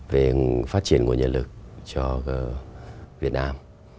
về phát triển nguồn nhân lực cho việt nam